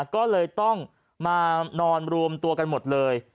ก็เลยต้องมานอนรวมตัวกันหมดเลย